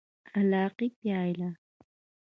اخلاقي پایله: